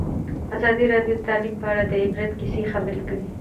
ازادي راډیو د تعلیم په اړه د عبرت کیسې خبر کړي.